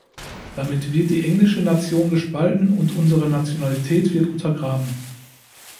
Damit wird die englische Nation gespalten, und unsere Nationalität wird untergraben.